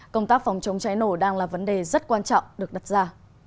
công tác phòng chống cháy nổ đang là vấn đề rất quan trọng được đặt ra